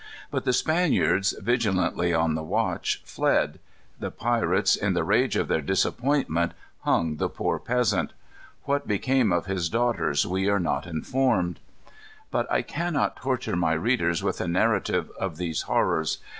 But the Spaniards, vigilantly on the watch, fled. The pirates, in the rage of their disappointment, hung the poor peasant. What became of his daughters we are not informed. But I cannot torture my readers with a narrative of these horrors.